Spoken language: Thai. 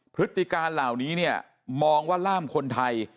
พฤติการเหล่านี้เนี่ยมองว่าล่ามคนไทย